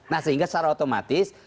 nah sehingga secara otomatis